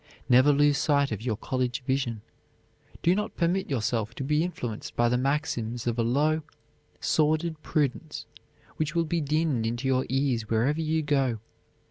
Never lose sight of your college vision. Do not permit yourself to be influenced by the maxims of a low, sordid prudence, which will be dinned into your ears wherever you go.